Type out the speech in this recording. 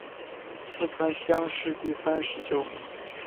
四川乡试第三十九名。